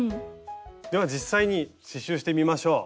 では実際に刺しゅうしてみましょう。